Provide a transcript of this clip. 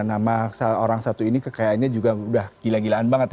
nama orang satu ini kekayaannya juga udah gila gilaan banget ya